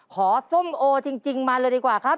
ส้มโอจริงมาเลยดีกว่าครับ